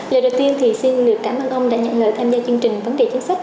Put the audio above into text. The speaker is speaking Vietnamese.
lời đầu tiên thì xin được cảm ơn ông đã nhận lời tham gia chương trình vấn đề chính sách